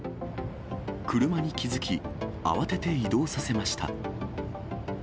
車に気付き、慌てて移動させました。